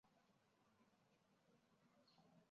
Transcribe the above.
被毛隙蛛为暗蛛科隙蛛属的动物。